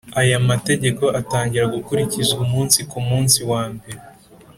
aya mategeko atangira gukurikizwa umunsi ku munsi wa mbere